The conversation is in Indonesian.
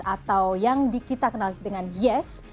atau yang kita kenal dengan yes